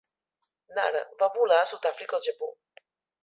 Nara va volar de Sudàfrica al Japó.